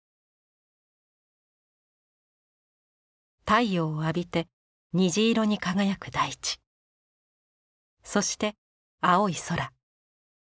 太陽を浴びて虹色に輝く大地そして青い空。